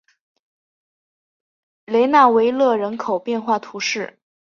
雷讷维勒人口变化图示